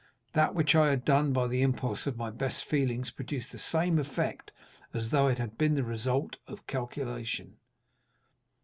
That which I had done by the impulse of my best feelings produced the same effect as though it had been the result of calculation.